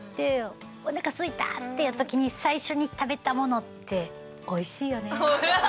おなかすいたっていう時に最初に食べたものっておいしいよね。